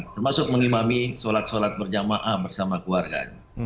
termasuk mengimami sholat sholat berjamaah bersama keluarga